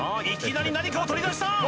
いきなり何かを取り出した！